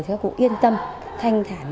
thì các cụ yên tâm thanh thản